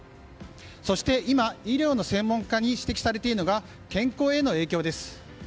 そして今、医療の専門家に指摘されているのが健康への影響です。